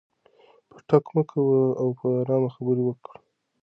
پټکه مه کوه او په ارامه خبرې وکړه.